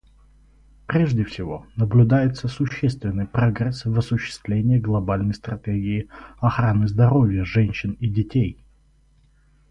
Прежде всего, наблюдается существенный прогресс в осуществлении Глобальной стратегии охраны здоровья женщин и детей.